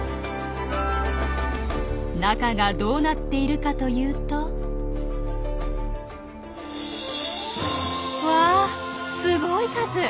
中がどうなっているかというと。わすごい数！